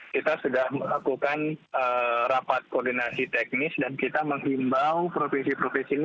kita sudah melakukan rapat koordinasi teknis dan kita menghimbau provinsi provinsi ini